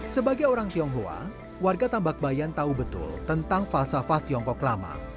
sebagai orang tionghoa warga tambak bayan tahu betul tentang falsafah tiongkok lama